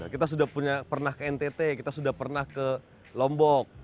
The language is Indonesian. kita sudah punya pernah ke ntt kita sudah pernah ke lombok